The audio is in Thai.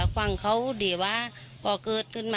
ภาพไปก้น